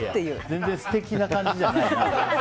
全然素敵な感じじゃない。